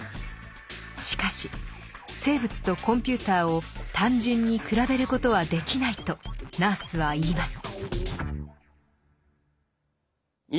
しかし生物とコンピューターを単純に比べることはできないとナースは言います。